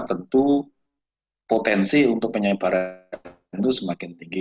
tentu potensi untuk penyebaran itu semakin tinggi